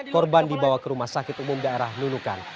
korban dibawa ke rumah sakit umum daerah nunukan